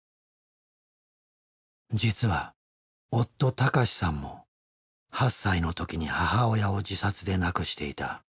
実は夫・孝さんも８歳の時に母親を自殺で亡くしていた。